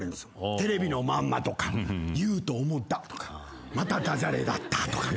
テレビのまんまとか言うと思ったとかまた駄じゃれだったとか。